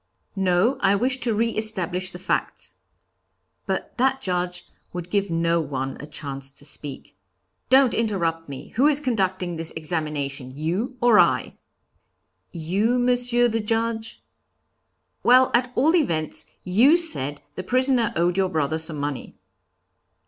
'No, I wish to re establish the facts.' But that Judge would give no one a chance to speak. 'Don't interrupt me. Who is conducting this examination, you or I?' 'You, Monsieur the Judge?' 'Well, at all events, you said the prisoner owed your brother some money.'